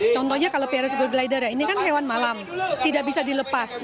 contohnya kalau prs superglider ya ini kan hewan malam tidak bisa dilepas